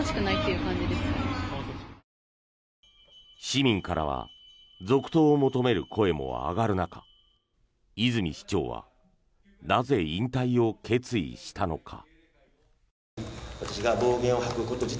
市民からは続投を求める声も上がる中泉市長はなぜ、引退を決意したのか。